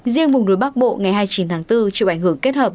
riêng vùng núi bắc bộ ngày hai mươi chín tháng bốn chịu ảnh hưởng kết hợp